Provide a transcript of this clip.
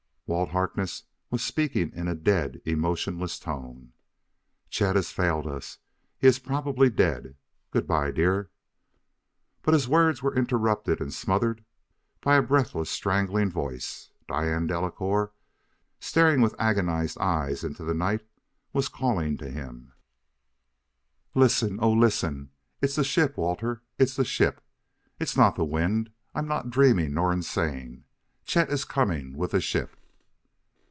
Walt Harkness was speaking in a dead, emotionless tone: "Chet has failed us; he is probably dead. Good by, dear " But his words were interrupted and smothered by a breathless, strangling voice. Diane Delacouer, staring with agonized eyes into the night was calling to him: "Listen! Oh, listen! It's the ship, Walter! It's the ship! It's not the wind! I'm not dreaming nor insane! Chet is coming with the ship!"